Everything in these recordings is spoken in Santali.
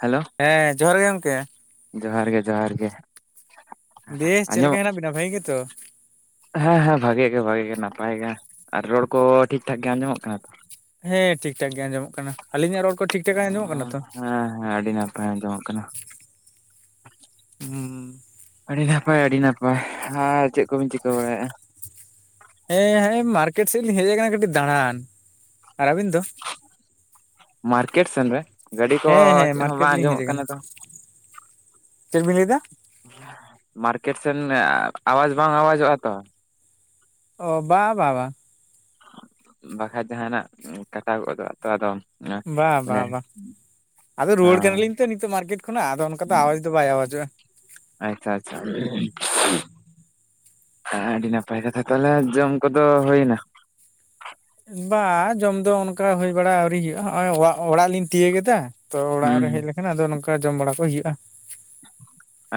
ᱦᱮᱞᱳ᱾ ᱦᱮᱸ ᱡᱚᱦᱟᱨ ᱜᱮ ᱜᱚᱢᱠᱮ᱾ ᱡᱚᱦᱟᱨ ᱜᱮ ᱡᱚᱦᱟᱨ ᱜᱮ᱾ ᱫᱮᱭᱮ ᱪᱮᱫ ᱞᱮᱠᱟ ᱟᱸᱡᱚᱢᱚᱜ ᱦᱮᱱᱟᱜ ᱵᱤᱱᱟ ᱵᱷᱟᱜᱤ ᱜᱮᱛᱚ? ᱦᱮᱸ ᱦᱮᱸ ᱵᱷᱟᱜᱮ ᱜᱮ ᱵᱷᱟᱜᱮ ᱜᱮ ᱱᱟᱯᱟᱭ ᱜᱮᱭᱟ ᱟᱨ ᱨᱚᱲ ᱠᱚ ᱴᱷᱤᱠ ᱴᱷᱟᱠ ᱜᱮ ᱟᱸᱡᱚᱢᱚᱜ ᱠᱟᱱᱟ ᱛᱚ? ᱦᱮᱸ ᱴᱷᱤᱠ ᱴᱷᱟᱠ ᱜᱮ ᱟᱸᱡᱚᱢᱚᱜ ᱠᱟᱱᱟ᱾ ᱟᱞᱤᱧᱟᱜ ᱨᱚᱲ ᱠᱚ ᱴᱷᱤᱠ ᱴᱷᱟᱠ ᱜᱮ ᱟᱸᱡᱚᱢᱚᱜ ᱠᱟᱱᱟ ᱛᱚ? ᱵᱟᱸᱝ ᱟᱡᱚᱢᱚᱜ ᱠᱟᱱᱟ᱾ ᱦᱩᱸ᱾ ᱟᱹᱰᱤ ᱱᱟᱯᱟᱭ ᱟᱹᱰᱤ ᱱᱟᱯᱟᱭ ᱟᱨ ᱪᱮᱫ ᱠᱚᱵᱤᱱ ᱪᱤᱠᱟᱹ ᱵᱟᱲᱟᱭᱮᱫᱼᱟ? ᱦᱮᱸ ᱦᱮᱸ ᱢᱟᱨᱠᱮᱴ ᱥᱮᱫ ᱞᱤᱧ ᱦᱮᱡ ᱟᱠᱟᱱᱟ ᱠᱟᱹᱴᱤᱡ ᱫᱟᱬᱟᱱ᱾ ᱟᱨ ᱟᱹᱵᱤᱱ ᱫᱚ? ᱢᱟᱨᱠᱮᱴ ᱥᱮᱱ ᱨᱮ? ᱜᱟᱹᱰᱤ ᱠᱚ ᱦᱮᱸ ᱦᱮᱸ ᱪᱮᱫ ᱦᱚᱸ ᱢᱟᱨᱠᱮᱴ ᱵᱟᱝ ᱞᱤᱧ ᱦᱮᱡ ᱟᱸᱡᱚᱢᱚᱜ ᱠᱟᱱᱟ ᱟᱠᱟᱱᱟ ᱛᱚ᱾ ᱪᱮᱫ ᱵᱤᱱ ᱞᱟᱹᱭ ᱮᱫᱟ ᱢᱟᱨᱠᱮᱴ ᱥᱮᱱ ᱟᱣᱟᱡ ᱵᱟᱝ ᱟᱣᱟᱡᱚᱜᱼᱟ ᱛᱚ? ᱚ ᱵᱟᱝ ᱵᱟ ᱵᱟ᱾ ᱵᱟᱠᱷᱟᱡ ᱡᱟᱦᱟᱱᱟᱜ ᱠᱟᱴᱟᱣ ᱜᱚᱫᱚᱜ ᱟᱛᱚ ᱟᱫᱚ᱾ ᱚ ᱵᱟ ᱵᱟ ᱢᱟᱱᱮ ᱦᱚᱸ᱾ ᱱᱤᱛᱚᱜ ᱱᱤᱛᱚᱜ ᱢᱟᱨᱠᱮᱴ ᱠᱷᱚᱱᱟᱜ ᱟᱫᱚ ᱚᱱᱠᱟ ᱫᱚ ᱟᱣᱟᱡ ᱫᱚ ᱵᱟᱭ ᱟᱣᱟᱡᱚᱜᱼᱟ᱾ ᱟᱪᱪᱦᱟ ᱟᱪᱪᱦᱟ᱾ ᱟᱹᱰᱤ ᱱᱟᱯᱟᱭ ᱠᱟᱛᱷᱟ ᱛᱟᱦᱚᱞᱮ ᱡᱚᱢ ᱠᱚᱫᱚ ᱦᱩᱭᱱᱟ? ᱵᱟ ᱡᱚᱢ ᱫᱚ ᱚᱱᱠᱟ ᱦᱩᱭ ᱵᱟᱲᱟ ᱟᱹᱣᱨᱤ ᱦᱭᱩᱭᱩᱜᱼᱟ᱾ ᱦᱚᱸᱜ-ᱚᱭ ᱚᱣᱟᱜ ᱚᱲᱟᱜ ᱞᱤᱧ ᱛᱤᱭᱟᱹᱜ ᱠᱮᱫᱟ᱾ ᱛᱚ ᱚᱲᱟᱜ ᱨᱮ ᱦᱩᱸ ᱦᱮᱡ ᱞᱮᱠᱷᱟᱱ ᱟᱫᱚ ᱱᱚᱝᱠᱟ ᱡᱚᱢ ᱵᱟᱲᱟ ᱠᱚ ᱦᱩᱭᱩᱜᱼᱟ᱾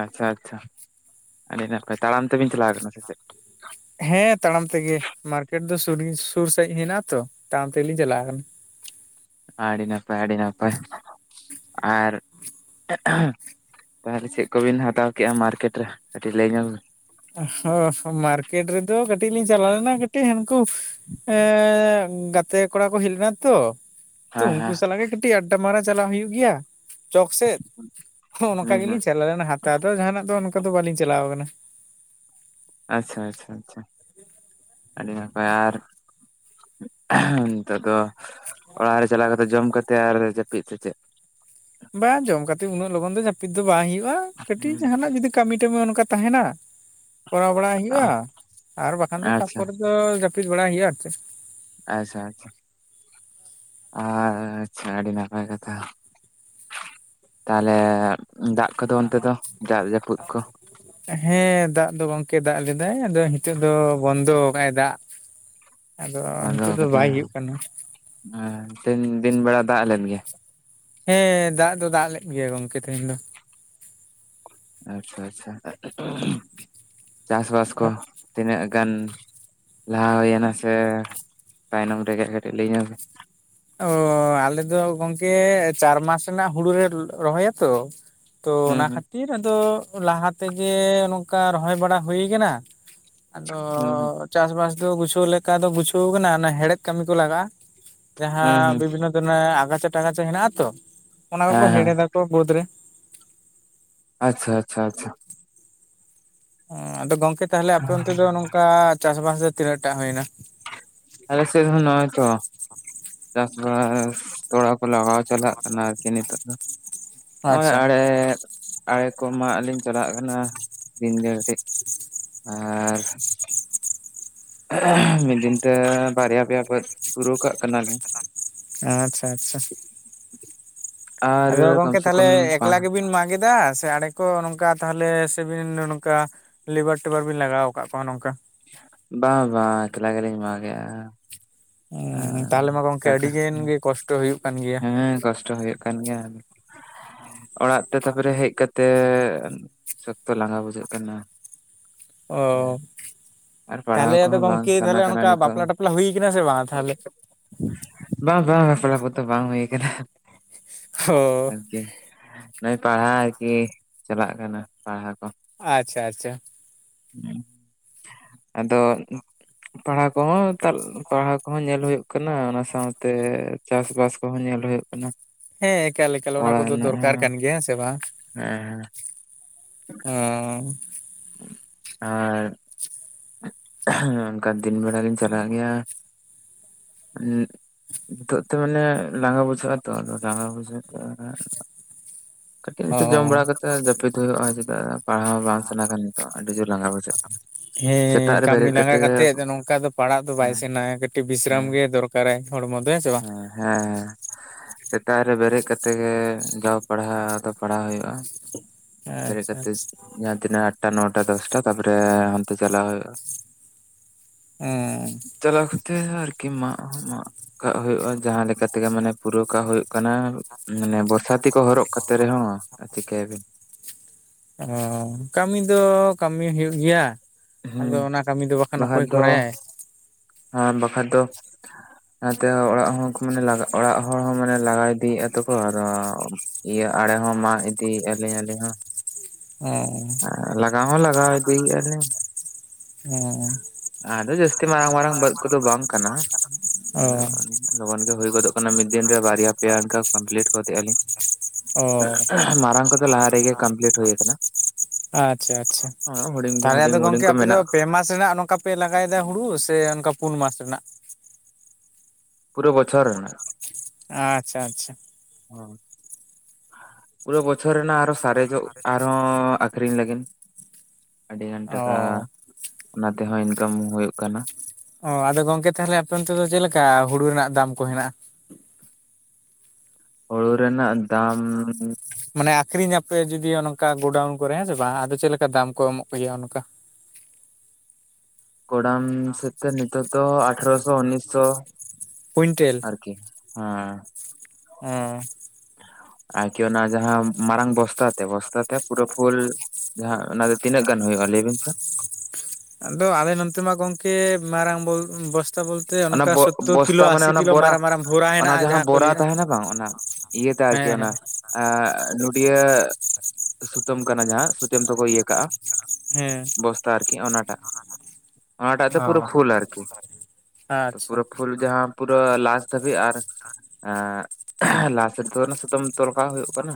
ᱟᱪᱪᱷᱟ ᱟᱪᱪᱷᱟ ᱟᱹᱰᱤ ᱱᱟᱯᱟᱭ᱾ ᱛᱟᱲᱟᱢ ᱛᱮᱵᱤᱱ ᱪᱟᱞᱟᱣ ᱠᱟᱱᱟ ᱥᱮ ᱪᱮᱫ? ᱦᱮᱸ ᱛᱟᱲᱟᱢ ᱛᱮᱜᱮ ᱢᱟᱨᱠᱮᱴ ᱫᱚ ᱥᱩᱨ ᱥᱟᱹᱦᱤᱡ ᱦᱮᱱᱟᱜᱼᱟ ᱛᱚ᱾ ᱛᱟᱲᱟᱢ ᱛᱮᱜᱮᱞᱤᱧ ᱪᱟᱞᱟᱣ ᱠᱟᱱᱟ᱾ ᱟᱹᱰᱤ ᱱᱟᱯᱟᱭ ᱟᱹᱰᱤ ᱱᱟᱯᱟᱭ ᱟᱨ ᱛᱟᱦᱚᱞᱮ ᱪᱮᱫ ᱠᱚᱵᱤᱱ ᱦᱟᱛᱟᱣ ᱠᱮᱜ-ᱟ ᱢᱟᱨᱠᱮᱴ ᱨᱮ ᱠᱟᱹᱴᱤᱡ ᱞᱟᱹᱭ ᱧᱚᱜ ᱵᱤᱱ᱾ ᱚ ᱢᱟᱨᱠᱮᱴ ᱨᱮᱫᱚ ᱠᱟᱹᱴᱤᱡ ᱞᱤᱧ ᱪᱟᱞᱟᱣ ᱞᱮᱱᱟ ᱠᱟᱹᱴᱤᱡ ᱦᱟᱹᱱᱠᱩ ᱮᱸ ᱜᱟᱛᱮ ᱠᱚᱲᱟ ᱠᱚ ᱦᱮᱡ ᱞᱮᱱᱟ ᱛᱚ᱾ ᱛᱚ ᱦᱮᱸ ᱩᱱᱠᱩ ᱦᱮᱸ ᱥᱟᱞᱟᱜ ᱜᱮ ᱠᱟᱹᱴᱤᱡ ᱟᱰᱰᱟ ᱢᱟᱨᱟ ᱪᱟᱞᱟᱜ ᱦᱩᱭᱩᱜ ᱜᱮᱭᱟ ᱪᱚᱠ ᱥᱮᱫ᱾ ᱦᱚᱸ ᱚᱱᱠᱟ ᱦᱩᱸ ᱦᱩᱸ ᱜᱮᱞᱤᱧ ᱪᱟᱞᱟᱣ ᱞᱮᱱᱟ ᱦᱟᱛᱟᱣ ᱫᱚ ᱡᱟᱦᱱᱟᱜ ᱫᱚ ᱚᱱᱠᱟ ᱫᱚ ᱵᱟᱹᱞᱤᱧ ᱪᱟᱞᱟᱣ ᱟᱠᱟᱱᱟ᱾ ᱟᱪᱪᱷᱟ ᱟᱪᱪᱷᱟ ᱟᱪᱪᱷᱟ᱾ ᱟᱹᱰᱤ ᱱᱟᱯᱟᱭ ᱟᱨ ᱱᱤᱛᱚᱜ ᱫᱚ ᱚᱲᱟᱜ ᱨᱮ ᱪᱟᱞᱟᱣ ᱠᱟᱛᱮᱫ ᱡᱚᱢ ᱠᱟᱛᱮ ᱟᱨ ᱡᱟᱹᱯᱤᱫ ᱥᱮ ᱪᱮᱫ ᱵᱟᱝ ᱡᱚᱢ ᱠᱟᱛᱮ ᱩᱱᱟᱹᱜ ᱞᱚᱜᱚᱱ ᱫᱚ ᱡᱟᱹᱯᱤᱫ ᱫᱚ ᱵᱟᱝ ᱦᱩᱭᱩᱜᱼᱟ ᱠᱟᱹᱴᱤᱡ ᱦᱩᱸ ᱡᱟᱦᱟᱱᱟᱜ ᱡᱩᱫᱤ ᱠᱟᱹᱢᱤ ᱴᱟᱢᱤ ᱚᱱᱠᱟ ᱛᱟᱦᱮᱱᱟ, ᱠᱚᱨᱟᱣ ᱵᱟᱲᱟᱭ ᱦᱩᱭᱩᱜᱼᱟ, ᱟᱪᱪᱷᱟ ᱟᱨ ᱵᱟᱠᱷᱟᱱ ᱫᱚ ᱛᱟᱨ ᱟᱪᱪᱷᱟ ᱯᱚᱨ ᱡᱟᱹᱯᱤᱫ ᱵᱟᱲᱟᱭ ᱦᱩᱭᱩᱜᱼᱟ ᱟᱨ ᱪᱮᱫ ᱟᱪᱪᱷᱟ ᱟᱪᱪᱷᱟ ᱟᱪᱪᱷᱟ ᱟᱹᱰᱤ ᱱᱟᱯᱟᱭ ᱠᱟᱛᱷᱟ ᱾ ᱛᱟᱦᱚᱞᱮ ᱫᱟᱜ ᱠᱚᱫᱚ ᱚᱱᱛᱮ ᱫᱚ ᱫᱟᱜ ᱡᱟᱹᱯᱩᱫ ᱠᱚ ᱦᱮᱸ ᱫᱟᱜ ᱫᱚ ᱜᱚᱝᱠᱮ ᱫᱟᱜ ᱞᱮᱫᱟᱭ ᱟᱫᱚ ᱱᱤᱛᱚᱜ ᱫᱚ ᱵᱚᱱᱫᱚ ᱟᱠᱟᱫᱟᱭ ᱫᱟᱜ᱾ [unintelligible] ᱵᱚᱱᱫᱚ ᱱᱤᱛᱚᱜ ᱫᱚ ᱵᱟᱭ ᱠᱟᱫᱟᱭ, ᱦᱩᱭᱩᱜ ᱠᱟᱱᱟ ᱛᱮᱦᱮᱧ ᱫᱤᱱ ᱵᱮᱲᱟ ᱫᱟᱜ ᱞᱮᱫ ᱜᱮᱭᱟ ᱦᱮᱸ ᱫᱟᱜ ᱫᱚ ᱫᱟᱜ ᱞᱮᱫ ᱜᱮᱭᱟ ᱜᱚᱝᱠᱮ ᱛᱮᱦᱮᱧ ᱫᱚ᱾ ᱟᱪᱪᱷᱟ ᱟᱪᱪᱷᱟ ᱪᱟᱥ-ᱵᱟᱥ ᱠᱚ ᱛᱤᱱᱟᱹᱜ ᱜᱟᱱ ᱞᱟᱦᱟ ᱦᱩᱭᱱᱟ ᱥᱮ ᱛᱟᱭᱱᱚᱢ ᱨᱮᱜᱮ ᱠᱟᱹᱴᱤᱡ ᱞᱟᱹᱭ ᱧᱚᱜ ᱢᱮ᱾ ᱚ ᱟᱞᱮ ᱫᱚ ᱜᱚᱢᱠᱮ ᱪᱟᱨ ᱢᱟᱥ ᱨᱮᱱᱟᱜ ᱦᱩᱲᱩ ᱞᱮ ᱨᱚᱦᱚᱭᱟ ᱛᱚ ᱛᱚ ᱦᱩᱸ ᱚᱱᱟ ᱦᱩᱸ ᱠᱷᱟᱹᱛᱤᱨ ᱟᱫᱚ ᱞᱟᱦᱟ ᱛᱮᱜᱮ ᱱᱚᱝᱠᱟ ᱨᱚᱦᱚᱭ ᱵᱟᱲᱟ ᱦᱩᱭ ᱠᱟᱱᱟ᱾ ᱟᱫᱚ ᱦᱩᱸ ᱪᱟᱥ ᱵᱟᱥ ᱫᱚ ᱜᱩᱪᱷᱟᱹᱣ ᱞᱮᱠᱟ ᱫᱚ ᱜᱩᱪᱷᱟᱹᱣ ᱠᱟᱱᱟ ᱚᱱᱟ ᱦᱮᱲᱦᱮᱫ ᱠᱟᱹᱢᱤ ᱠᱚ ᱞᱟᱜᱟᱜᱼᱟ᱾ ᱦᱩᱸ ᱡᱟᱦᱟᱸ ᱦᱩᱸ ᱵᱤᱵᱷᱤᱱᱱᱚ ᱫᱷᱚᱨᱚᱱᱮ ᱟᱜᱟᱪᱷᱟ ᱴᱟᱠᱟᱪᱟ ᱦᱮᱱᱟᱜ ᱟ ᱛᱚ, ᱚᱱᱟ ᱠᱚᱠᱚ ᱦᱮᱸ ᱦᱮᱸ ᱦᱮᱲᱮᱫ ᱟᱠᱚ ᱵᱟᱹᱫᱽ ᱨᱮ᱾ ᱟᱪᱪᱷᱟ ᱟᱪᱪᱷᱟ ᱟᱪᱪᱷᱟ ᱟᱫᱚ ᱜᱚᱝᱠᱮ ᱛᱟᱦᱞᱮ ᱟᱯᱮ ᱚᱱᱛᱮ ᱫᱚ ᱱᱚᱝᱠᱟ ᱪᱟᱥ ᱵᱟᱥ ᱫᱚ ᱛᱤᱱᱟᱹᱜ ᱴᱟᱜ ᱦᱩᱭᱱᱟ ᱟᱞᱮ ᱥᱮᱫ ᱦᱚᱸ ᱱᱚᱦᱚᱭ ᱛᱚ, ᱪᱟᱥ ᱵᱟᱥ ᱛᱚᱲᱟ ᱠᱚ ᱞᱟᱜᱟᱣ ᱪᱟᱞᱟᱜ ᱠᱟᱱᱟ ᱟᱨ ᱠᱤ ᱱᱤᱛᱚᱜ ᱫᱚ ᱱᱚᱜᱼᱚᱭ ᱟᱪᱪᱷᱟ ᱟᱲᱮᱹ ᱟᱲᱮ ᱠᱚ ᱢᱟᱜ ᱞᱤᱧ ᱪᱟᱞᱟᱜ ᱠᱟᱱᱟ ᱫᱤᱱᱜᱮ ᱠᱟᱹᱴᱤᱡ, ᱟᱨ ᱢᱤᱫ ᱫᱤᱱ ᱛᱮ ᱵᱟᱨᱭᱟ ᱯᱮᱭᱟ ᱵᱟᱹᱫᱽ ᱯᱩᱨᱟᱹᱣ ᱠᱟᱜ ᱠᱟᱱᱟᱞᱮ᱾ ᱟᱪᱪᱷᱟ ᱟᱪᱪᱷᱟ ᱟᱨ ᱟᱫᱚ ᱠᱚᱢ ᱜᱚᱝᱠᱮ ᱥᱮ ᱛᱟᱦᱚᱞᱮ ᱠᱚᱢ ᱮᱠᱞᱟ ᱵᱟᱝ ᱜᱮᱵᱤᱱ ᱢᱟᱜ ᱮᱫᱟ ᱥᱮ ᱟᱲᱮ ᱠᱚ ᱠᱚ ᱱᱚᱝᱠᱟ ᱛᱟᱦᱚᱞᱮ ᱥᱮᱵᱤᱱ ᱱᱚᱝᱠᱟ ᱞᱮᱵᱟᱨ ᱴᱮᱵᱟᱨ ᱵᱤᱱ ᱞᱟᱜᱟᱣ ᱟᱠᱟᱫ ᱠᱚᱣᱟ ᱱᱚᱝᱠᱟ ᱵᱟᱝ ᱵᱟᱝ ᱮᱠᱞᱟ ᱜᱮᱞᱤᱧ ᱢᱟᱜ ᱮᱫᱟ᱾ ᱟᱨ ᱛᱟᱦᱚᱞᱮ ᱢᱟ ᱜᱚᱝᱠᱮ ᱴᱟᱠᱟ ᱟᱹᱰᱤᱜᱟᱱ ᱜᱮ ᱠᱚᱥᱴᱚ ᱦᱩᱭᱩᱜ ᱠᱟᱱ ᱜᱮᱭᱟ ᱦᱮᱸ ᱠᱚᱥᱴᱚ ᱦᱩᱭᱩᱜ ᱠᱟᱱ ᱜᱮᱭᱟ ᱚᱲᱟᱜ ᱛᱮ ᱛᱟᱯᱚᱨᱮ ᱦᱮᱡ ᱠᱟᱛᱮ ᱛᱮ, ᱥᱚᱠᱛᱚ ᱞᱟᱸᱜᱟ ᱵᱩᱡᱷᱟᱹᱜ ᱠᱟᱱᱟ᱾ ᱚ ᱟᱨ ᱯᱟᱲᱦᱟᱣ ᱛᱟᱦᱚᱞᱮ ᱟᱫᱚ ᱠᱚᱦᱚᱸ ᱵᱟᱝ ᱜᱚᱝᱠᱮ ᱥᱟᱱᱟ ᱛᱟᱦᱞᱮ ᱠᱟᱱᱟ ᱚᱱᱠᱟ ᱱᱤᱛᱚᱜ ᱵᱟᱯᱞᱟ ᱦᱚᱸ᱾ ᱴᱟᱯᱞᱟ ᱦᱩᱭ ᱠᱟᱱᱟ ᱥᱮ ᱵᱟᱝ ᱛᱟᱦᱞᱮ [unintelligible] ᱵᱟᱝ ᱵᱟᱝ ᱵᱟᱯᱞᱟ ᱠᱚᱫᱚ ᱵᱟᱝ ᱦᱩᱭ ᱟᱠᱟᱱᱟ ᱾ ᱦᱚᱸ ᱟᱹᱨᱠᱤ ᱱᱚᱜᱼᱚᱭ ᱯᱟᱲᱦᱟᱣ ᱠᱚ ᱪᱟᱞᱟᱜ ᱠᱟᱱᱟ ᱯᱟᱲᱦᱟᱣ ᱠᱚ᱾ ᱟᱪᱪᱷᱟ ᱟᱪᱪᱷᱟ ᱦ ᱟᱫᱚ ᱯᱟᱲᱦᱟᱣ ᱠᱚᱦᱚᱸ ᱯᱟᱲᱦᱟᱣ ᱠᱚᱦᱚᱸ ᱧᱮᱞ ᱦᱩᱭᱩᱜ ᱠᱟᱱᱟ ᱚᱱᱟ ᱥᱟᱶᱛᱮ ᱪᱟᱥ ᱵᱟᱥ ᱠᱚᱦᱚᱸ ᱧᱮᱞ ᱦᱩᱭᱩᱜ ᱠᱟᱱᱟ᱾ ᱦᱮᱸ ᱮᱠᱟᱞ ᱮᱠᱟᱞ ᱚᱱᱟ ᱚᱲᱟᱜ ᱠᱚᱫᱚ ᱨᱮᱱᱟᱜ ᱫᱚᱨᱠᱟᱨ ᱦᱚᱸ᱾ ᱠᱟᱱ ᱜᱮᱭᱟ ᱦᱮᱸ ᱥᱮ ᱵᱟᱝ ᱦᱮᱸ ᱾ ᱦᱚᱸ ᱟᱨ ᱦᱮᱸ ᱚᱱᱠᱟ ᱫᱤᱱ ᱵᱮᱲᱟ ᱞᱤᱧ ᱪᱟᱞᱟᱜ ᱜᱮᱭᱟ [unintelligible] ᱱᱤᱛᱚᱜ ᱛᱮ ᱢᱟᱹᱱᱮ ᱞᱟᱸᱜᱟ ᱵᱩᱡᱷᱟᱹᱜ-ᱟ ᱛᱚ, ᱞᱟᱸᱜᱟ ᱵᱩᱡᱷᱟᱹᱜ ᱛᱮᱼᱼ ᱠᱟᱹᱴᱤᱡ ᱚ ᱱᱤᱛᱚᱜ ᱡᱚᱢ ᱵᱟᱲᱟ ᱠᱟᱛᱮᱫ ᱡᱟᱹᱯᱤᱫ ᱦᱩᱭᱩᱜ-ᱟ ᱪᱮᱫᱟᱜ ᱯᱟᱲᱦᱟ-ᱣ ᱵᱟᱝ ᱥᱟᱱᱟ ᱠᱟᱱᱟ᱾ ᱛᱚ ᱟᱹᱰᱤ ᱡᱳᱨ ᱞᱟᱸᱜᱟᱣ ᱵᱩᱡᱷᱟᱹᱜ ᱼᱼᱼ ᱦᱮᱸ ᱠᱟᱹᱢᱤ ᱞᱟᱸᱜᱟ ᱠᱟᱛᱮᱫ ᱱᱚᱝᱹᱠᱟ ᱫᱚ ᱯᱟᱲᱟᱜ ᱫᱚ ᱵᱟᱭ ᱦᱮᱸ ᱥᱮᱱᱟ-ᱟ ᱠᱟᱹᱴᱤᱡ ᱵᱤᱥᱨᱟᱢ ᱦᱮᱸ ᱜᱮ ᱫᱚᱨᱼᱼᱼ ᱠᱟᱨᱟᱭ ᱦᱚᱲᱹᱢᱚ ᱫᱚ ᱦᱮᱸ ᱥᱮ ᱵᱟᱝ? ᱦᱮᱸ, ᱦᱮ ᱥᱮᱛᱟᱜ ᱨᱮ ᱵᱮᱹᱨᱮᱹᱫ ᱠᱟᱛᱮ ᱜᱮ ᱡᱟᱣ ᱯᱟᱲᱦᱟᱣ ᱫᱚ᱾ ᱯᱟᱲᱦᱟᱣ ᱦᱳᱭᱳᱜᱼᱟ, ᱵᱮᱨᱮᱫ ᱟᱪᱪᱷᱟ ᱠᱟᱛᱮ ᱟᱪᱪᱷᱟ ᱡᱟᱦᱟᱸ ᱛᱤᱱᱟᱹᱜ ᱟᱴᱟ, ᱱᱚᱴᱟ, ᱫᱚᱥᱴᱟᱼᱼ ᱛᱚ ᱛᱟᱯᱚᱹᱨᱮ ᱦᱟᱱᱛᱮ ᱪᱟᱞᱟᱣ ᱦᱩᱭᱩᱜᱼᱟ᱾ ᱮᱸᱻ ᱪᱟᱞᱟᱣ ᱠᱟᱛᱮ ᱟᱨᱠᱤ ᱢᱟᱜ ᱦᱚᱸ ᱢᱟᱜ ᱠᱟᱜ ᱦᱩᱭᱩᱜᱼᱟ ᱡᱟᱦᱟᱸ ᱞᱮᱹᱠᱟᱼᱼᱼ ᱛᱮᱜᱮ ᱢᱟᱱᱮ ᱯᱩᱨᱟᱹᱣ ᱠᱟᱜ ᱦᱩᱭᱩᱹᱜ ᱠᱟᱱᱟ ᱢᱟᱱᱮ ᱵᱚᱨᱥᱟ ᱛᱤ ᱠᱚ ᱦᱚᱨᱚᱜ ᱠᱟᱛᱮ ᱨᱮᱦᱚᱸ ᱪᱤᱠᱟᱹᱭᱟᱵᱤᱱ᱾ ᱚᱸ ᱠᱟᱹᱢᱤ ᱫᱚ ᱠᱟᱹᱢᱤ ᱦᱩᱭᱩᱜ ᱜᱮᱭᱟ᱾ ᱟᱫᱚ ᱦᱮᱸ ᱚᱱᱟ ᱠᱟᱹᱢᱤ ᱫᱚ ᱵᱟᱠᱷᱟᱱ ᱚᱠᱚᱭ ᱠᱚᱨᱟᱭᱟ-ᱭ᱾ ᱦᱟᱸ ᱵᱟᱹᱠᱷᱟᱡ ᱫᱚ, ᱱᱟᱛᱮ ᱦᱚᱸ ᱚᱲᱟᱜ ᱦᱚᱸ ᱠᱚ ᱢᱟᱱᱮ ᱞᱟ ᱚᱲᱟᱜ ᱦᱚᱲ ᱦᱚᱸ ᱢᱟᱱᱮ ᱞᱟᱜᱟ ᱤᱫᱤᱭᱮᱫᱼᱟ ᱛᱚᱠᱚ ᱟᱸᱫᱚᱼᱼ ᱤᱭᱟᱹ ᱟᱲᱮ ᱦᱚᱸ ᱢᱟᱜ ᱤᱫᱤᱭᱮᱫ ᱞᱤᱧ ᱟᱞᱤᱧ ᱦᱚᱸ᱾ ᱮᱸᱻ ᱞᱟᱜᱟᱣ ᱦᱚᱸ ᱞᱟᱜᱟᱣ ᱤᱫᱤᱮᱫ-ᱟ ᱞᱤᱧ, ᱟᱫᱚ ᱡᱟᱹᱥᱛᱤ ᱢᱟᱨᱟᱝ ᱢᱟᱨᱟᱝᱼᱼᱼ ᱵᱟᱹᱫ ᱠᱚᱫᱚ ᱵᱟᱝ ᱠᱟᱱᱟ᱾ ᱚ ᱟᱫᱚᱼᱼᱼ ᱞᱚᱜᱚᱱ ᱜᱮ ᱦᱩᱭ ᱜᱚᱫᱚᱜ ᱠᱟᱱᱟ ᱢᱤᱫ ᱫᱤᱱ ᱨᱮ ᱵᱟᱨᱭᱟ ᱯᱮᱭᱟ ᱚᱱᱠᱟ ᱠᱚᱢᱯᱞᱤᱴ ᱜᱚᱫᱼᱮ ᱟᱞᱤᱧ᱾ ᱚ ᱢᱟᱨᱟᱝ ᱠᱚᱫᱚ ᱞᱟᱦᱟ ᱨᱮᱹᱜᱮ ᱠᱟᱢᱯᱞᱤᱴ ᱦᱩᱭ ᱟᱠᱟᱱᱟ᱾ ᱟᱪᱪᱷᱟ ᱟᱪᱪᱷᱟ, ᱦᱩᱰᱤᱧ ᱛᱟᱦᱚᱞᱮ ᱟᱫᱚ ᱦᱩᱰᱤᱧ ᱦᱩᱰᱤᱧ ᱜᱚᱝᱠᱮ ᱠᱚ ᱟᱯᱮ ᱫᱚ ᱢᱮᱱᱟᱜ ᱯᱮ ᱢᱟᱥ ᱨᱮᱱᱟᱜ ᱱᱚᱝᱠᱟᱼᱼ ᱯᱮ ᱞᱟᱜᱟᱭ ᱮᱫᱟ ᱦᱩᱲᱩ ᱥᱮ ᱚᱱᱠᱟ ᱯᱩᱱ ᱢᱟᱥ ᱨᱮᱱᱟᱜ? ᱯᱩᱨᱟᱹ ᱵᱚᱪᱷᱚᱨ ᱨᱮᱱᱟᱱᱜ᱾ ᱟᱪᱪᱷᱟ ᱟᱪᱪᱷᱟ᱾ ᱦᱚᱭ, ᱯᱩᱨᱟᱹ ᱵᱚᱪᱷᱚᱨ ᱟᱨ ᱥᱟᱨᱡᱚᱜ ᱟᱨ ᱦᱚᱸ ᱟᱠᱷᱼᱼᱼ ᱟᱹᱠᱷᱨᱤᱧ ᱞᱟᱹᱜᱤᱱ ᱟᱹᱰᱤᱜᱟᱱ ᱴᱟᱠᱟ, ᱚ ᱚᱱᱟ ᱛᱮᱦᱚᱸ ᱤᱱᱠᱟᱢ ᱦᱩᱭᱩᱜ ᱠᱟᱱᱟ᱾ ᱚ ᱟᱸᱫᱚ ᱜᱚᱝᱠᱮ ᱛᱟᱦᱚᱞᱮ ᱟᱸᱯᱮ ᱚᱱᱛᱮ ᱫᱚ ᱪᱮᱫᱞᱮᱠᱟ ᱦᱩᱲᱩ ᱨᱮᱱᱟᱜ ᱫᱟᱢ ᱠᱚ ᱦᱮᱱᱟᱜᱼᱟ? ᱦᱩᱲᱩ ᱨᱮᱱᱟᱜ ᱫᱟᱢᱻ ᱢᱟᱹᱱᱮ ᱟᱠᱷᱨᱤᱧᱟᱸᱯᱮ ᱡᱩᱫᱤ ᱚᱱᱠᱟ ᱜᱳᱰᱟᱣᱩᱱ ᱠᱚᱨᱮ ᱦᱮᱸ ᱥᱮ ᱵᱟᱝ, ᱟᱫᱚ ᱪᱮᱫ ᱞᱮᱠᱟ ᱫᱟᱢ ᱠᱚ ᱮᱢᱚᱜ ᱜᱮᱹᱭᱟ ᱚᱱᱠᱟ᱾ ᱠᱚᱳᱰᱟᱢ ᱥᱟᱹᱛᱛᱮ ᱱᱤᱛᱳᱜ ᱫᱚ ᱟᱴᱷᱚᱨᱚᱥᱚ ᱩᱱᱤᱥᱥᱚ᱾ ᱠᱩᱭᱤᱱᱴᱮᱹᱞ? ᱟᱨᱠᱤ ᱦᱮᱸ᱾ ᱚᱸ᱾ ᱟᱨ ᱠᱤ ᱚᱱᱟ ᱡᱟᱦᱟᱸ ᱢᱟᱨᱟᱝ ᱵᱚᱥᱛᱟ ᱛᱮ, ᱵᱚᱥᱛᱟ ᱛᱮᱼᱼ ᱯᱩᱨᱟᱹ ᱯᱷᱩᱞ ᱡᱟᱦᱟᱸ ᱚᱱᱟ ᱫᱚ ᱛᱤᱱᱟᱹᱜ ᱜᱟᱱ ᱦᱩᱭᱩᱜ-ᱟᱹ ᱞᱟᱹᱭ ᱵᱤᱱ ᱥᱮ? ᱟᱸᱫᱚ ᱟᱞᱮ ᱱᱚᱱᱛᱮ ᱢᱟ ᱜᱚᱝᱠᱮ ᱢᱟᱨᱟᱝ ᱵᱚᱞ ᱵᱚᱥᱛᱟ ᱵᱚᱞᱛᱼᱼ ᱚᱱᱟ ᱵᱚ ᱵᱚᱥᱛᱟ ᱢᱟᱹᱱᱮ ᱚᱱᱟ ᱵᱚᱨᱟ, ᱢᱟᱨᱟᱝ ᱵᱷᱚᱨᱟ ᱚᱱᱟ ᱦᱮᱱᱟᱜᱼᱟ ᱡᱟᱦᱟᱸ ᱠᱚ ᱵᱚᱨᱟ ᱞᱟᱹᱭᱟ ᱛᱟᱦᱮᱱᱟ ᱵᱟᱝ ᱚᱱᱟ᱾ ᱤᱭᱟᱹ ᱛᱮ ᱟᱨᱠᱤ ᱦᱮᱸ ᱚᱱᱟᱼᱼ ᱮᱸᱜ ᱱᱚᱰᱤᱭᱟᱹᱜ ᱥᱩᱛᱟᱹᱢ ᱠᱟᱱᱟ ᱡᱟᱦᱟᱸ ᱥᱩᱛᱟᱹᱢ ᱛᱮᱠᱚ ᱤᱭᱟᱹ ᱠᱟᱜᱼᱟ᱾ ᱦᱮᱸ᱾ ᱵᱚᱥᱛᱟ ᱟᱨᱠᱤ ᱚᱱᱟᱴᱟᱜ, ᱚᱱᱟᱴᱟᱜ ᱛᱮ ᱦᱮᱸ ᱯᱩᱨᱟᱹ ᱯᱷᱩᱞ ᱟᱨᱠᱤ᱾ ᱟᱪᱪᱷᱟ ᱯᱩᱨᱟᱹ ᱯᱷᱩᱞ ᱡᱟᱦᱟᱸ ᱯᱩᱨᱟᱹ ᱞᱟᱥ ᱫᱷᱟᱹᱵᱤᱡ ᱟᱨ ᱮᱸᱻ ᱥᱮᱫ ᱫᱚ ᱚᱱᱟ ᱥᱩᱛᱟᱹᱢ ᱛᱚᱞ ᱠᱟᱜ ᱦᱩᱭᱩᱜ ᱠᱟᱱᱟ,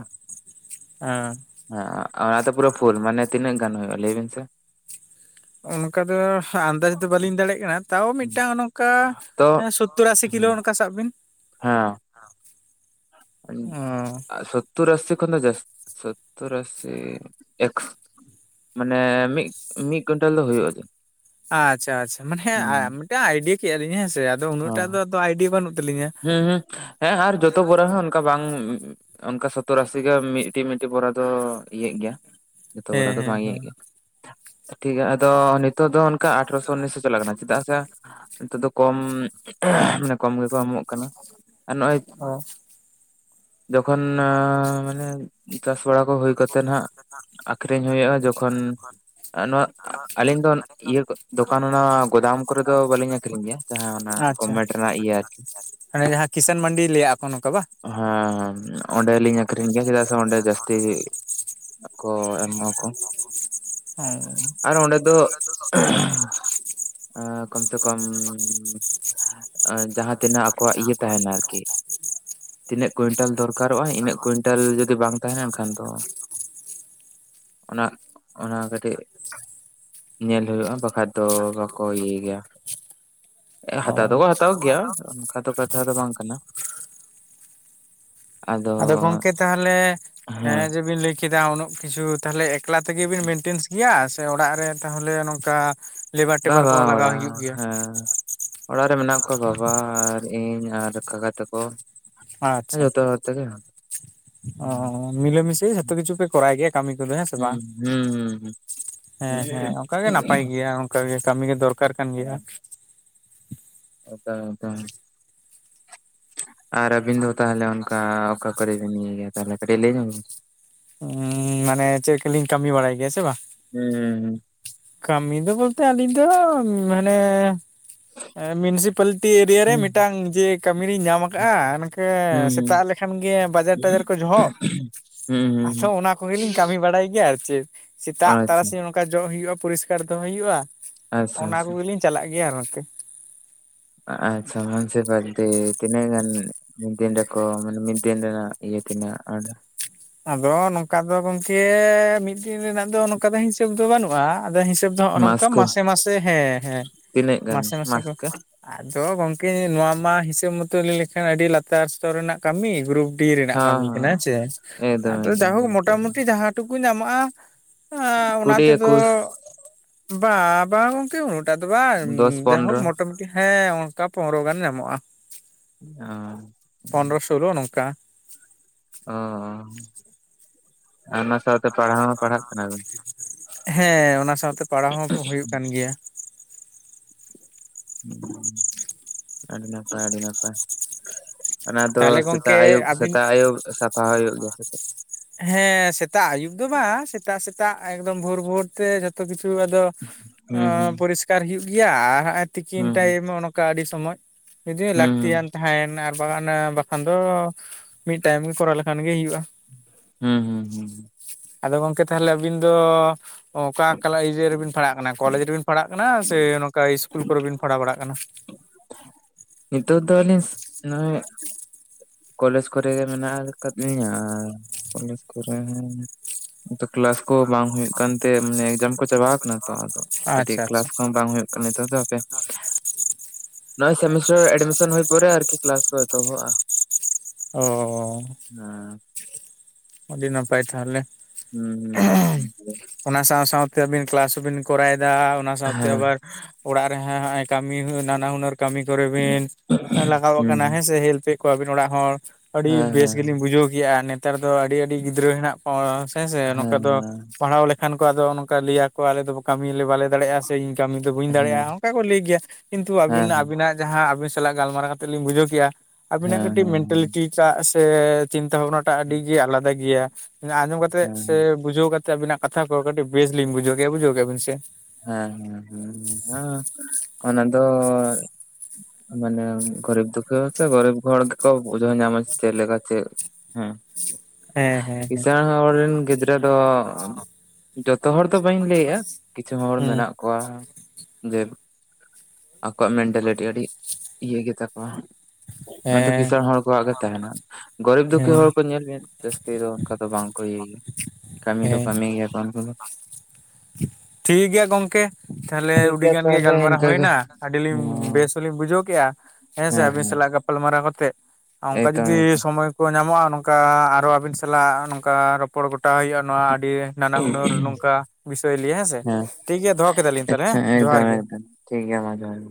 ᱦᱮᱸ ᱦᱮᱸ ᱟᱫᱟᱚ ᱯᱩᱨᱟᱹ ᱯᱷᱩᱞ ᱢᱟᱱᱮᱼᱼ ᱛᱤᱱᱹᱜ ᱜᱟᱱ ᱦᱩᱭᱩᱜ-ᱟ ᱞᱟᱹᱭ ᱵᱮᱱ ᱥᱮ? ᱚᱱᱠᱟ ᱫᱚ ᱟᱱᱫᱟᱡ ᱫᱚ ᱵᱟᱹᱞᱤᱧ ᱫᱟᱲᱮᱭᱟᱜ ᱠᱟᱱᱟ ᱛᱟᱣ ᱢᱤᱫᱴᱟᱝ ᱚᱱᱠᱟ ᱛᱚ ᱥᱳᱛᱚᱨ ᱟᱥᱤ ᱠᱤᱞᱳ ᱚᱱᱠᱟ ᱥᱟᱵ ᱵᱤᱱ ᱦᱮᱸ [inaudible] ᱚ ᱥᱚᱛᱛᱳᱨ ᱟᱥᱤ ᱠᱷᱚᱱ ᱫᱚ ᱡᱟᱥ ᱥᱚᱛᱛᱳᱨ ᱟᱥᱤ ᱮᱠᱥ ᱢᱟᱱᱮ ᱢᱤᱫ ᱢᱤᱫ ᱠᱩᱱᱴᱟᱞ ᱫᱚ ᱦᱩᱭᱩᱜᱼᱟ ᱟᱪᱪᱷᱟ ᱟᱪᱪᱷᱟ ᱢᱟᱱᱮ ᱦᱩᱸ ᱦᱩᱸ ᱢᱤᱫᱴᱟᱝ ᱟᱭᱰᱤ ᱠᱮᱟ ᱞᱤᱧ ᱦᱮᱸᱥᱮ ᱟᱫᱚ ᱩᱱᱟᱹᱜ ᱴᱟᱜ ᱫᱚ ᱟᱭᱰᱤ ᱵᱟᱹᱱᱩᱜ ᱛᱟᱹᱞᱤᱧᱟ᱾ ᱩᱦᱩᱜ ᱦᱮᱸ ᱟᱨ ᱡᱚᱛᱚ ᱵᱚᱨ ᱦᱚᱸ ᱚᱱᱠᱟ ᱵᱟᱝ ᱚᱱᱠᱟ ᱥᱚᱛᱛᱚᱨ ᱟᱥᱤ ᱜᱮ ᱢᱤᱫᱴᱤᱡ ᱢᱤᱫᱴᱤᱡ ᱵᱚᱨᱟ ᱫᱚ ᱤᱭᱟᱹᱜ ᱜᱮᱭᱟ ᱡᱚᱛᱚ ᱵᱚᱨᱟ ᱦᱮᱸ ᱫᱚ ᱦᱮᱸ ᱵᱟᱝ ᱦᱮᱸ ᱤᱭᱟᱜ ᱜᱮᱭᱟ ᱟᱫᱚ ᱱᱤᱛᱚᱜ ᱫᱚ ᱚᱱᱠᱟ ᱟᱴᱷᱨᱚᱥᱚ ᱩᱱᱤᱥᱚ ᱪᱟᱞᱟᱜ ᱠᱟᱱᱟ ᱪᱮᱫᱟᱜ ᱥᱮ ᱱᱤᱛᱚᱜ ᱫᱚ ᱠᱚᱢ ᱢᱟᱱᱮ ᱠᱚᱢ ᱜᱮᱠᱚ ᱮᱢᱚᱜ ᱠᱟᱱᱟ ᱟᱨ ᱱᱚᱜᱼᱚᱭ ᱦᱮ ᱡᱚᱠᱷᱚᱱ ᱢᱟᱱᱮ ᱪᱟᱥ ᱵᱟᱲᱟ ᱠᱚ ᱦᱩᱭ ᱠᱟᱛᱮᱜ ᱱᱟᱦᱟᱸᱜ ᱟᱠᱷᱨᱤᱧ ᱦᱩᱭᱩᱜᱼᱟ ᱡᱚᱠᱷᱚᱱ ᱱᱚᱣᱟ ᱟᱹᱞᱤᱧ ᱫᱚ ᱤᱭᱟᱹ ᱫᱚᱠᱟᱱ ᱚᱱᱟ ᱜᱩᱫᱟᱢ ᱠᱚᱨᱮ ᱫᱚ ᱵᱟᱹᱞᱤᱧ ᱟᱠᱷᱨᱤᱧ ᱜᱮᱭᱟ ᱡᱟᱦᱟᱸ ᱚᱱᱟ ᱟᱪᱪᱷᱟ ᱜᱚᱵᱷᱢᱮᱱᱴ ᱨᱮᱱᱟᱜ ᱤᱭᱟᱹ ᱟᱨᱠᱤ ᱡᱟᱦᱟᱸ ᱠᱤᱥᱟᱱ ᱢᱟᱱᱰᱤ ᱞᱟᱹᱭ ᱮᱫᱟᱠ ᱠᱚ ᱱᱚᱝᱠᱟ ᱵᱟᱝ ᱦᱮᱸ ᱦᱮᱸ ᱚᱸᱰᱮᱞᱤᱧ ᱟᱠᱷᱨᱤᱧ ᱜᱮᱭᱟ ᱪᱮᱫᱟᱜ ᱥᱮ ᱚᱸᱰᱮ ᱡᱟᱹᱥᱛᱤ ᱜᱤ ᱠᱚ ᱮᱢᱦᱚ ᱠᱚ ᱟᱨ ᱚᱸᱰᱮ ᱫᱚ ᱮ ᱠᱚᱢ ᱥᱮ ᱠᱚᱢ ᱡᱟᱦᱟᱸ ᱛᱤᱱᱟᱹᱜ ᱠᱚᱣᱟᱜ ᱤᱭᱟᱹ ᱛᱟᱦᱮᱱᱟ ᱟᱨᱠᱤ ᱛᱤᱱᱟᱹᱜ ᱠᱩᱱᱴᱮᱞ ᱫᱚᱨᱠᱟᱨᱚᱜᱼᱟ ᱤᱱᱟᱹᱜ ᱠᱩᱱᱴᱟᱞ ᱡᱩᱫᱤ ᱵᱟᱝ ᱛᱟᱦᱮᱱᱟ ᱠᱷᱟᱱ ᱫᱚ ᱚᱱᱟ ᱚᱱᱟ ᱠᱟᱹᱴᱤᱡ ᱧᱮᱞ ᱦᱩᱭᱩᱜᱼᱟ ᱵᱟ ᱟᱫᱚ ᱵᱟᱠᱚ ᱤᱭᱟᱭ ᱜᱮᱭᱟ ᱦᱟᱛᱟᱣ ᱫᱚ ᱚ ᱠᱚ ᱦᱟᱛᱟᱣ ᱜᱮᱭᱟ ᱚᱱᱠᱟ ᱫᱚ ᱠᱟᱛᱷᱟ ᱫᱚ ᱵᱟᱝ ᱠᱟᱱᱟ ᱟᱫᱚ ᱜᱚᱝᱠᱮ ᱛᱟᱦᱚᱞᱮ ᱦᱮᱸ ᱦᱮᱸᱜᱮ ᱡᱮ ᱵᱤᱱ ᱞᱟᱹᱭ ᱠᱮᱫᱟ ᱩᱱᱟᱹᱜ ᱠᱤᱪᱷᱩ ᱛᱟᱦᱞᱮ ᱮᱠᱞᱟ ᱛᱮᱜᱮ ᱵᱮᱱ ᱢᱮᱱᱴᱮᱱᱥ ᱠᱮᱭᱟ ᱥᱮ ᱚᱲᱟᱜ ᱨᱮ ᱛᱟᱦᱚᱞᱮ ᱱᱚᱝᱠᱟ ᱞᱮᱵᱟᱨ ᱵᱟ ᱴᱮᱵᱟᱨ ᱵᱟ ᱠᱚ ᱞᱟᱜᱟᱣ ᱦᱩᱭᱩᱜ ᱚᱲᱟᱜ ᱜᱮᱭᱟ? ᱦᱮᱸ ᱚᱲᱟᱜ ᱨᱮ ᱢᱮᱱᱟᱜ ᱠᱚᱣᱟ ᱵᱟᱵᱟ ᱟᱨ ᱤᱧ ᱟᱨ ᱠᱟᱠᱟ ᱛᱟᱠᱚ ᱟᱪᱪᱷᱟ ᱡᱚᱛᱚ ᱦᱚᱲ ᱛᱮᱜᱮ ᱚ ᱦᱩᱸ ᱢᱤᱞᱟᱹᱢᱤᱥᱮ ᱡᱷᱚᱛᱚ ᱠᱤᱪᱷᱩ ᱯᱮ ᱠᱚᱨᱟᱣ ᱜᱮᱭᱟ ᱠᱟᱹᱢᱤ ᱠᱚᱫᱚ ᱦᱮᱸ ᱥᱮ ᱵᱟᱝ? ᱦᱩᱸ ᱦᱩᱸ ᱦᱮᱸ ᱦᱮᱸ ᱚᱱᱠᱟᱜᱮ ᱱᱟᱯᱟᱭ ᱜᱮᱭᱟ ᱚᱱᱠᱟᱜᱮ ᱠᱟᱹᱢᱤ ᱜᱮ ᱫᱚᱨᱠᱟᱨ ᱠᱟᱱ ᱜᱮᱭᱟ ᱮᱠᱟᱞ ᱮᱠᱟᱞ ᱟᱨ ᱨᱵᱤᱱ ᱫᱚ ᱛᱟᱦᱚᱞᱮ ᱚᱱᱠᱟ ᱚᱠᱟ ᱠᱚᱨᱮᱵᱤᱱ ᱤᱭ ᱜᱮᱭᱟ ᱛᱟᱦᱚᱞᱮ ᱠᱟᱹᱴᱤᱡ ᱞᱟᱹᱭ ᱧᱚᱜ ᱵᱤᱱ? ᱩᱸ ᱢᱟᱱᱮ ᱪᱮᱫ ᱠᱚᱞᱤᱧ ᱠᱟᱹᱢᱤ ᱵᱟᱲᱟᱭ ᱜᱮᱭᱟ ᱥᱮ ᱵᱟ? ᱦᱩᱸ ᱠᱟᱹᱢᱤ ᱫᱚ ᱵᱚᱞᱛᱮ ᱟᱹᱞᱤᱧ ᱫᱚ ᱢᱟᱱᱮ ᱮ ᱢᱤᱱᱥᱤᱯᱟᱞᱴᱤ ᱮᱨᱤᱭᱟ ᱨᱮ ᱦᱩᱸ ᱢᱤᱫᱴᱟᱝ ᱡᱮ ᱠᱟᱹᱢᱤᱨᱤᱧ ᱧᱟᱢ ᱟᱠᱟᱜᱼᱟ ᱢᱟᱠᱟ ᱦᱩᱸ ᱦᱩᱸ ᱥᱮᱛᱟᱜ ᱞᱮᱠᱷᱟᱱ ᱜᱮ ᱵᱟᱡᱮᱨ ᱴᱟᱡᱟᱨ ᱦᱩᱸ ᱠᱚ ᱡᱚᱦᱚᱜ ᱦᱩᱸ ᱟᱫᱚ ᱦᱩᱸ ᱚᱱᱟ ᱠᱚᱜᱮᱞᱤᱧ ᱠᱟᱹᱢᱤ ᱵᱟᱲᱟᱭ ᱜᱮᱭᱟ ᱟᱨ ᱪᱮᱫ ᱥᱮᱛᱟᱜ ᱟᱪᱪᱷᱟ ᱛᱟᱨᱟᱥᱤᱧ ᱚᱠᱟ ᱡᱚᱜ ᱦᱩᱭᱩᱜᱼᱟ ᱯᱚᱨᱤᱥᱠᱟᱨ ᱫᱚ ᱦᱩᱭᱩᱜᱼᱟ ᱟᱪᱪᱷᱟ ᱚᱱᱟ ᱟᱪᱪᱷᱟ ᱠᱚᱜᱮᱞᱤᱧ ᱪᱟᱞᱟᱜ ᱜᱮᱭᱟ ᱜᱚᱝᱠᱮ ᱟᱪᱪᱷᱟ [unintelligible] ᱛᱤᱱᱟᱹᱜ ᱜᱟᱱ ᱫᱤᱴᱟᱹ ᱠᱚ ᱢᱟᱱᱮ ᱢᱤᱫ ᱫᱤᱱ ᱨᱮᱱᱟᱜ ᱤᱭᱟᱹ ᱛᱤᱱᱟᱜ ᱟᱴ ᱟᱫᱚ ᱱᱚᱝᱠᱟ ᱫᱚ ᱜᱚᱝᱠᱮ ᱢᱤᱫ ᱫᱤᱱ ᱨᱮᱱᱟᱜ ᱫᱚ ᱱᱚᱠᱟ ᱫᱚ ᱦᱤᱥᱟᱹᱵ ᱫᱚ ᱵᱟᱹᱱᱩᱜ-ᱟ ᱟᱫᱚ ᱦᱤᱥᱟᱹᱵᱽ ᱫᱚ ᱦᱚᱜᱚ ᱢᱟᱥ ᱱᱚᱝᱠᱟ ᱠᱚ ᱢᱟᱥᱮ ᱢᱟᱥᱮ ᱦᱮᱸ ᱦᱮᱸ ᱛᱤᱱᱟᱹᱜ ᱜᱟᱱ ᱢᱟᱥᱮ ᱢᱟᱥᱮ ᱢᱟᱥ ᱠᱚ ᱟᱫᱚ ᱜᱚᱢᱠᱮ ᱱᱚᱣᱟ ᱢᱟ ᱦᱤᱥᱟᱹᱵ ᱢᱚᱛᱚ ᱞᱟᱹᱭ ᱞᱮᱠᱷᱟᱱ ᱟᱹᱰᱤ ᱞᱟᱛᱟᱨ ᱥᱛᱚᱨ ᱨᱮᱱᱟᱜ ᱠᱟᱹᱢᱤ ᱜᱨᱩᱯ ᱰᱤ ᱨᱮᱱᱟᱜ ᱦᱚᱸ ᱠᱟᱢᱤ ᱠᱟᱱᱟ ᱦᱚᱸ ᱦᱮᱥᱮ ᱟᱫᱚ ᱡᱟᱭᱦᱳᱠ ᱢᱚᱴᱟᱢᱩᱴᱤ ᱡᱟᱦᱟᱸ ᱴᱩᱠᱩ ᱧᱟᱢᱚᱜ-ᱟ, ᱚᱱᱟ ᱠᱩᱰᱤ ᱛᱮ ᱫᱚ ᱮᱠᱩᱥ ᱵᱟ ᱵᱟ ᱜᱚᱢᱠᱮ ᱩᱱᱟᱹᱜ ᱴᱟᱜ ᱫᱚ ᱵᱟᱝ ᱫᱚᱥ ᱡᱟᱭᱦᱳᱠ ᱯᱚᱱᱨᱚ ᱢᱚᱴᱟᱢᱴ ᱦᱮᱸ ᱚᱱᱠᱟ ᱯᱚᱱᱨᱚ ᱜᱟᱱ ᱧᱟᱢᱚᱜ-ᱟ ᱾ [inaudible] ᱛᱩᱞᱟᱹᱣ ᱱᱚᱝᱠᱟ, ᱚᱻ ᱟᱨ ᱚᱱᱟ ᱥᱟᱣᱛᱮ ᱯᱟᱲᱦᱟᱣ ᱦᱚᱸ ᱯᱟᱲᱦᱟᱜ ᱠᱟᱱᱟ ᱜᱚᱢᱠᱮ, ᱦᱮᱸ ᱚᱱᱟ ᱥᱟᱶᱛᱮ ᱯᱟᱲᱦᱟᱣ ᱦᱚᱸ ᱦᱩᱭᱩᱜ ᱠᱟᱱ ᱜᱮᱭᱟ᱾ ᱦᱩ, ᱟᱹᱰᱤ ᱱᱟᱯᱟᱭ ᱟᱹᱰᱤ ᱱᱟᱯᱟᱭ ᱚᱱᱟ ᱫᱚ ᱛᱟᱦᱚᱞᱮ ᱥᱮᱛᱟᱜ ᱜᱚᱝᱠᱮ ᱟᱹᱭᱩᱵ ᱟᱹᱵᱤᱱ ᱥᱮᱛᱟᱜ ᱟᱹᱭᱩᱵ ᱥᱟᱯᱷᱟ ᱦᱳᱭᱳᱜ ᱫᱚ ᱥᱮ ᱪᱮᱫ? ᱦᱮᱸ ᱥᱮᱛᱟᱜ ᱟᱹᱭᱩᱵ ᱫᱚ ᱵᱟᱝ, ᱥᱮᱛᱟᱜ ᱥᱮᱛᱟᱜ ᱮᱠᱫᱚᱢ ᱵᱷᱳᱨ ᱵᱷᱳᱨ ᱛᱮ ᱡᱷᱚᱛᱚ ᱠᱤᱪᱷᱩ ᱟᱫᱚ ᱦᱩᱸ ᱯᱚᱨᱤᱥᱠᱟᱨ ᱦᱩᱭᱩᱜ ᱜᱮᱭᱟ ᱟᱨ ᱦᱟᱸᱜ-ᱟᱭ ᱛᱤᱠᱤᱱ ᱦᱩᱸ ᱴᱟᱭᱤᱢ ᱚᱱᱝᱠᱟ ᱟᱹᱰᱤ ᱥᱚᱢᱚᱭ ᱡᱩᱫᱤ ᱦᱩᱸ ᱦᱩᱸ ᱞᱟᱠᱛᱤᱭᱟᱱ ᱛᱟᱦᱮᱱᱟ, ᱵᱟᱝ ᱟᱱᱟ ᱵᱟᱠᱷᱟᱱ ᱫᱚ ᱢᱤᱫᱴᱟᱭᱤᱢ ᱜᱮ ᱠᱚᱨᱟᱣ ᱞᱮᱠᱷᱟᱱ ᱜᱮ ᱦᱩᱭᱩᱜ-ᱟ᱾ ᱦᱩᱸ ᱦᱩᱸ ᱦᱩᱸ, ᱟᱫᱚ ᱜᱚᱝᱠᱮ ᱛᱟᱦᱚᱞᱮ ᱟᱹᱵᱤᱱ ᱫᱚ ᱚᱠᱟ ᱠᱞᱟ ᱤᱭᱟᱹ ᱨᱮᱵᱤᱱ ᱯᱟᱲᱦᱟᱜ ᱠᱟᱱᱟ ᱠᱚᱞᱮᱡᱽ ᱨᱮᱵᱤᱱ ᱯᱟᱲᱟᱜ ᱠᱟᱱᱟ ᱥᱮ ᱱᱚᱝᱠᱟ ᱤᱥᱠᱩᱞ ᱠᱚᱨᱮ ᱵᱤᱱ ᱯᱟᱲᱟᱣ ᱵᱟᱲᱟᱜ ᱠᱟᱱᱟ? ᱱᱤᱛᱚᱜ ᱫᱚ ᱟᱹᱞᱤᱧᱥ ᱱᱚᱭ-ᱚᱭ ᱠᱚᱞᱮᱡᱽ ᱠᱚᱨᱮ ᱜᱮ ᱢᱮᱱᱟᱜ ᱟᱠᱟᱫ ᱞᱤᱧᱟ ᱟᱨ ᱠᱚᱞᱮᱡᱽ ᱠᱚᱨᱮ ᱦᱚᱸ ᱛᱚ ᱠᱞᱟᱥ ᱠᱚ ᱵᱟᱝ ᱦᱳᱭᱳᱜ ᱠᱟᱱᱛᱮ ᱢᱟᱱᱮ ᱮᱠᱡᱟᱢ ᱠᱚ ᱪᱟᱵᱟᱣ ᱠᱟᱱᱟ ᱛᱚ ᱟᱫᱚ ᱠᱟᱹᱴᱤᱡ ᱟᱪᱪᱷᱟ ᱟᱪᱪᱷᱟ ᱠᱞᱟᱥ ᱠᱚ ᱦᱚᱸ ᱵᱟᱝ ᱦᱳᱭᱯᱜ ᱠᱟᱱᱟ ᱱᱤᱛᱚ ᱫᱚ ᱦᱟᱯᱮ ᱱᱚᱜ-ᱚᱭ ᱥᱮᱢᱴᱟᱨ ᱮᱰᱢᱤᱥᱚᱱ ᱦᱳᱭ ᱯᱚᱨᱮ ᱟᱨᱠᱤ ᱠᱞᱟᱥ ᱠᱚ ᱮᱛᱚᱦᱚᱜ-ᱟ᱾ ᱚᱻ ᱦᱮᱸ ᱟᱰᱤ ᱟᱯᱟᱭ ᱛᱟᱦᱚᱞᱮ, ᱦᱩᱸ ᱦᱩᱸ, ᱚᱱᱟ ᱥᱟᱣ ᱥᱟᱣᱛᱮ ᱟᱹᱵᱤᱱ ᱠᱮᱞᱟᱥ ᱦᱚᱸᱵᱤᱱ ᱠᱚᱨᱟᱣ ᱫᱟ ᱚᱱᱟ ᱥᱟᱣᱛᱮ ᱦᱮᱸ ᱟᱵᱟᱨ ᱚᱲᱟᱜ ᱨᱮ ᱦᱮ ᱦᱟᱭ ᱠᱟᱹᱢᱤ ᱦᱳᱭ ᱱᱟᱱᱟ ᱦᱩᱱᱟᱹᱨ ᱠᱟᱹᱢᱤ ᱠᱚᱨᱮ ᱵᱤᱱ ᱞᱟᱜᱟᱣ ᱦᱩᱸ ᱟᱠᱟᱱᱟ ᱦᱮᱸᱥᱮ ᱦᱮᱞᱯᱮ ᱠᱚᱣᱟᱵᱤᱱ ᱚᱲᱟᱜ ᱦᱚᱲ ᱟᱹᱰᱤ ᱦᱮᱸ ᱵᱮᱥ ᱜᱮᱞᱤᱧ ᱵᱩᱡᱷᱟᱹᱣ ᱠᱮ-ᱟ ᱱᱮᱛᱟᱨ ᱫᱚ ᱟᱹᱰᱤ ᱟᱹᱰᱤ ᱜᱤᱫᱽᱨᱟᱹ ᱦᱮᱱᱟᱜ ᱠᱚᱣᱟ ᱦᱮᱸᱥᱮ ᱦᱮᱸ ᱱᱚᱝᱠᱟ ᱦᱮᱸ ᱫᱚ ᱯᱟᱲᱦᱟᱣ ᱞᱮᱠᱷᱟᱱ ᱠᱚ ᱟᱫᱚ ᱱᱚᱝᱠᱟ ᱞᱟᱹᱭᱟ ᱠᱚ ᱟᱞᱮ ᱫᱚ ᱯᱟ ᱠᱟᱹᱢᱤᱞᱮ ᱵᱟᱞᱮ ᱫᱟᱲᱮᱜ-ᱟ ᱥᱮ ᱤᱧ ᱠᱟᱹᱢᱤ ᱵᱟᱹᱧ ᱦᱮᱸ ᱫᱟᱲᱮᱜ-ᱟ ᱚᱱᱠᱟ ᱠᱚ ᱞᱟᱹᱭ ᱜᱮᱭᱟ ᱠᱤᱱᱛᱩ ᱟᱹᱵᱤᱱ ᱦᱮᱸ ᱟᱹᱵᱤᱱᱟᱜ ᱡᱟᱦᱟᱸ ᱟᱹᱵᱤᱱ ᱥᱟᱞᱟᱜ ᱜᱟᱞᱢᱟᱨᱟᱣ ᱠᱟᱛᱮᱫ ᱞᱤᱧ ᱵᱩᱡᱷᱟᱹᱣ ᱠᱮᱜ-ᱟ, ᱟᱹᱵᱤᱱᱟᱜ ᱦᱮᱸ ᱠᱟᱹᱴᱤᱡ ᱢᱮᱱᱴᱟᱞᱤᱴᱤ ᱪᱟᱜ ᱥᱮ ᱪᱤᱱᱛᱟ ᱵᱷᱟᱵᱱᱟ ᱴᱟᱜ ᱟᱹᱰᱤ ᱜᱮ ᱟᱞᱟᱫᱟ ᱜᱮᱭᱟ, ᱟᱸᱡᱚᱢ ᱠᱟᱛᱮᱜ ᱥᱮ ᱦᱮᱸ ᱵᱩᱡᱷᱟᱹᱣ ᱠᱟ ᱟᱵᱤᱱᱟᱜ ᱠᱟᱛᱷᱟ ᱠᱚ ᱠᱟᱹᱴᱤᱡ ᱵᱮᱥ ᱞᱤᱧ ᱵᱩᱡᱷᱟᱹᱣ ᱠᱮᱜ-ᱟ ᱵᱩᱡᱷᱟ ᱠᱮᱜ-ᱟ ᱵᱤᱱ ᱥᱮ? ᱦᱮᱸ ᱦᱮᱸ ᱦᱮᱸ, ᱚᱱᱟ ᱫᱚ ᱢᱟᱱᱮ [inaudible] ᱠᱚ ᱵᱩᱡᱷᱟᱹᱣ ᱧᱟᱢᱟ ᱪᱮᱫ ᱞᱮᱠᱟ ᱪᱮᱫ? ᱦᱮᱸ ᱦᱮᱸ ᱦᱮᱸ ᱠᱤᱥᱟᱹᱬ ᱦᱚᱲ ᱨᱤᱱ ᱜᱤᱫᱽᱨᱟᱹ ᱫᱚ, ᱡᱚᱛᱚ ᱦᱚᱲ ᱫᱚ ᱵᱟᱹᱧ ᱞᱟᱹᱭᱮᱜ-ᱟ, ᱠᱤᱪᱷᱩ ᱦᱚᱲ ᱦᱩᱸ ᱢᱮᱱᱟᱜ ᱠᱚᱣᱟ ᱡᱮ ᱟᱠᱚᱣᱟᱜ ᱢᱮᱱᱴᱟᱞᱤᱴᱤ ᱟᱹᱰᱤ ᱤᱭᱟᱹ ᱜᱮᱛᱟ ᱠᱚᱣᱟ ᱱᱟᱫᱚ ᱦᱮᱸ ᱠᱤᱥᱟᱹᱬ ᱦᱚᱲ ᱠᱚᱣᱟᱜ ᱜᱮ ᱛᱟᱦᱮᱱᱟ ᱾ ᱜᱚᱨᱤᱵᱽ ᱫᱩᱠᱷᱤ ᱦᱚᱲ ᱦᱮᱸ ᱠᱚ ᱧᱮᱞ ᱵᱤᱱ ᱡᱟᱹᱥᱛᱤ ᱫᱚ ᱚᱱᱠᱟ ᱫᱚ ᱵᱟᱝ ᱠᱚ ᱤᱭᱟᱹᱭᱟ ᱠᱟᱹᱢᱤ ᱫᱚ ᱦᱮᱸ ᱠᱟᱹᱢᱤ ᱜᱮ ᱠᱚ ᱫᱚ ᱴᱷᱤᱠ ᱜᱮᱭᱟ ᱜᱚᱢᱠᱮ, ᱛᱟᱦᱚᱞᱮ ᱴᱷᱤᱠ ᱜᱮᱭᱟ ᱩᱰᱤᱜᱟᱱ ᱜᱮ ᱛᱟᱦᱚᱞᱮ ᱜᱟᱞᱢᱟᱨᱟᱣ ᱤᱱᱠᱟᱹ ᱜᱮ ᱦᱳᱭᱱᱟ ᱟᱹᱰᱤ ᱞᱤᱧ ᱵᱮᱥ ᱦᱚᱸᱞᱤᱧ ᱵᱩᱡᱷᱟᱹᱣ ᱠᱮᱜ-ᱟ᱾ ᱦᱮᱸ ᱥᱮ ᱟᱹᱵᱤᱱ ᱥᱟᱞᱟᱜ ᱜᱟᱯᱟᱞ ᱢᱟᱨᱟᱣ ᱠᱟᱛᱮᱜ ᱚᱱᱠᱟ ᱮᱠᱫᱚᱢ ᱡᱩᱫᱤ ᱮᱠᱫᱚᱢ ᱥᱚᱢᱚᱭ᱾ ᱠᱚ ᱧᱟᱢᱚᱜ-ᱟ ᱱᱚᱝᱠᱟ ᱟᱨᱚ ᱟᱹᱵᱤᱱ ᱥᱟᱞᱟᱜ ᱱᱚᱝᱠᱟ ᱨᱚᱯᱚᱲ ᱜᱚᱴᱟᱜ ᱦᱩᱭᱩᱜ-ᱟ ᱱᱚᱣᱟ ᱟᱰᱤ᱾ ᱱᱟᱱᱟ ᱦᱩᱱᱟᱹᱨ ᱱᱚᱝᱠᱟ ᱵᱤᱥᱚᱭ ᱞᱟᱹᱭᱟ ᱦᱮᱸᱥᱮ ᱦᱮᱸ ᱴᱷᱤᱠ ᱜᱮᱭᱟ ᱫᱚᱦᱚ ᱠᱮᱫᱟᱞᱤᱧ ᱛᱟᱦᱚᱞᱮ ᱟᱪᱪᱷᱟ ᱦᱮᱸ ᱡᱚᱦᱟᱨ ᱮᱠᱫᱚᱢ ᱜᱮ᱾ ᱮᱠᱫᱚᱢ ᱴᱷᱤᱠ ᱜᱮᱭᱟ ᱢᱟ ᱡᱚᱦᱚᱨ ᱜᱮ᱾